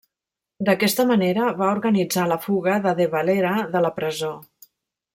D'aquesta manera va organitzar la fuga de De Valera de la presó.